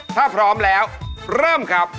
ถ้าพร้อมแล้วเริ่มครับ